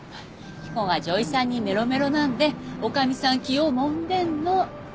彦が女医さんにメロメロなんで女将さん気をもんでんの！